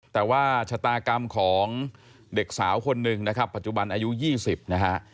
แต่ว่าชะตากรรมของเด็กสาวคนหนึ่งนะครับปัจจุบันอายุ๒๐นะฮะ